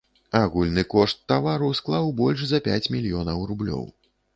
Агульны кошт тавару склаў больш за пяць мільёнаў рублёў.